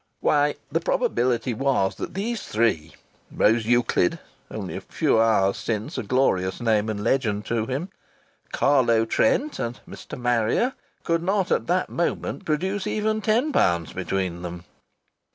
Why, the probability was that these three Rose Euclid (only a few hours since a glorious name and legend to him), Carlo Trent, and Mr. Marrier could not at that moment produce even ten pounds between them!...